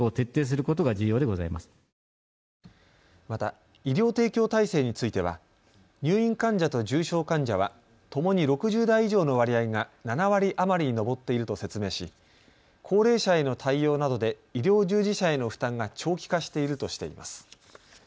また医療提供体制については入院患者と重症患者はともに６０代以上の割合が７割余りに上っていると説明し、高齢者への対応などで医療従事者への負担が長期化しているとしています。